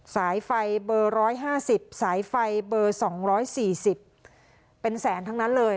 สายไฟเบอร์ร้อยห้าสิบสายไฟเบอร์สองร้อยสี่สิบเป็นแสนทั้งนั้นเลย